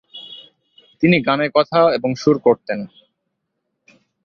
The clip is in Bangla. তিনি গানের কথা এবং সুর করতেন।